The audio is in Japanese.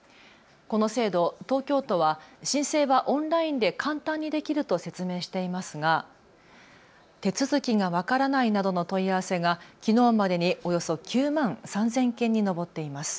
この制度、東京都は申請はオンラインで簡単にできると説明していますが手続きが分からないなどの問い合わせがきのうまでにおよそ９万３０００件に上っています。